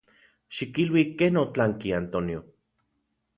Xikilui ken otlanki Antonio.